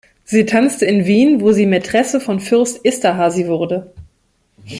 Sie tanzte in Wien, wo sie Maitresse von Fürst Esterhazy wurde.